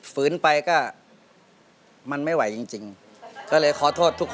แล้วนักสู้กลับบ้านไปแล้วเหรอนักสู้